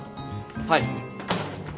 はい。